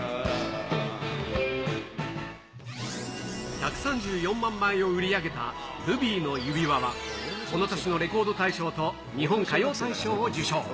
１３４万枚を売り上げたルビーの指環は、この年のレコード大賞と日本歌謡大賞を受賞。